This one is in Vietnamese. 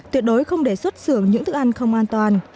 tuyệt đối không để xuất xưởng những thức ăn không an toàn